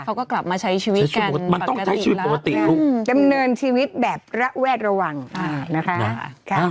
เขาก็กลับมาใช้ชีวิตกันมันต้องใช้ชีวิตปกติดำเนินชีวิตแบบระแวดระวังนะคะ